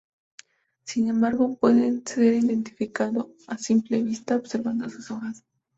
Sin embargo, puede ser identificado a simple vista observando sus hojas.